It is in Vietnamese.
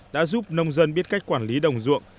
đã giúp nông dân biết cách quản lý đồng ruộng